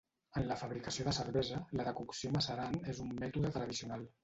En la fabricació de cervesa, la decocció macerant és un mètode tradicional.